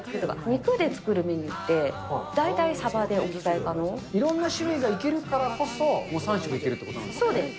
肉で作るメニューって、大体、いろんな種類がいけるからこそ、もう３食いけるっていうことなんですね。